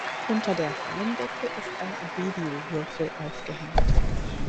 Unter der Hallendecke ist ein Videowürfel aufgehängt.